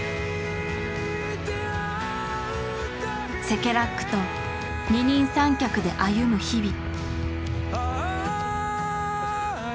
セケラックと二人三脚で歩む日々。